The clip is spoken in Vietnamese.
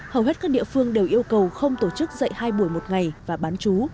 hầu hết các địa phương đều yêu cầu không tổ chức dạy hai buổi một ngày và bán chú